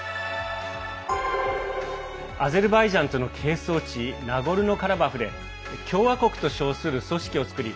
アゼルバイジャンとの係争地、ナゴルノカラバフで共和国と称する組織を作り